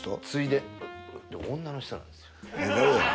次いで女の人なんですよ。